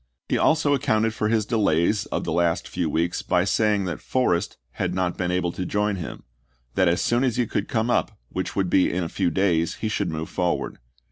He also ac counted for his delays of the last few weeks by saying that Forrest had not been able to join him ; that as soon as he could come up, which would be in a few days, he should move forward.